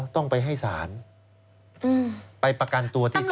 ต้องไปให้ศาลไปประกันตัวที่ศาล